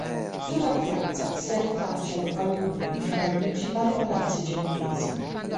Sulla piazza si affacciano alcuni fra i principali palazzi genovesi.